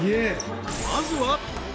［まずは］